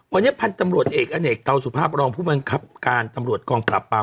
วันนี้พันธุ์ตำรวจเอกอเนกเตาสุภาพรองผู้บังคับการตำรวจกองปราบปราม